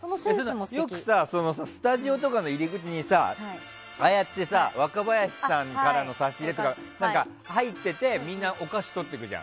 よく、スタジオとかの入り口に若林さんからの差し入れとか入っててみんなお菓子取ってくじゃん。